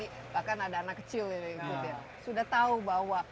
tadi bahkan ada anak kecil yang sudah tahu bahwa